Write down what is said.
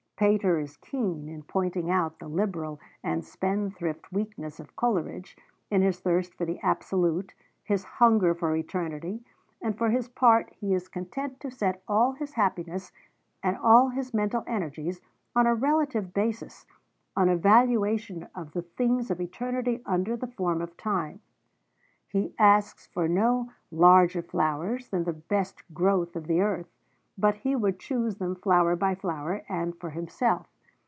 Pater is keen in pointing out the liberal and spendthrift weakness of Coleridge in his thirst for the absolute, his 'hunger for eternity,' and for his part he is content to set all his happiness, and all his mental energies, on a relative basis, on a valuation of the things of eternity under the form of time. He asks for no 'larger flowers' than the best growth of the earth; but he would choose them flower by flower, and for himself.